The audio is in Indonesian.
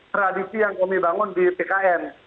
tradisi yang kami bangun di pkn